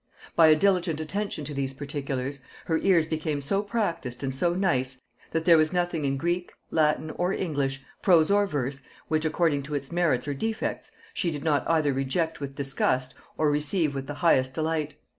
By a diligent attention to these particulars, her ears became so practised and so nice, that there was nothing in Greek, Latin, or English, prose or verse, which, according to its merits or defects, she did not either reject with disgust, or receive with the highest delight....